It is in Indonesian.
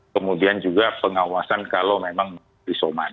kemudian juga pengawasan kalau memang isoman